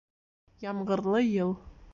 Ямғырлы йыл